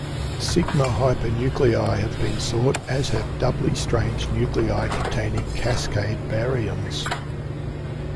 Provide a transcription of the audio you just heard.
Sigma hypernuclei have been sought, as have doubly-strange nuclei containing Cascade baryons.